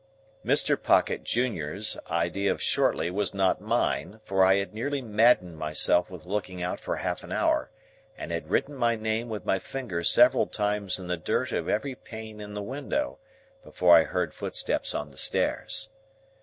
Mr. Pocket, Junior's, idea of Shortly was not mine, for I had nearly maddened myself with looking out for half an hour, and had written my name with my finger several times in the dirt of every pane in the window, before I heard footsteps on the stairs.